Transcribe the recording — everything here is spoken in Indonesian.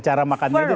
cara makanannya sama